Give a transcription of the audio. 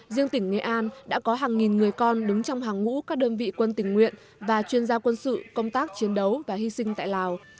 riêng tỉnh nghệ an đã có hàng nghìn người con đứng trong hàng ngũ các đơn vị quân tình nguyện và chuyên gia quân sự công tác chiến đấu và hy sinh tại lào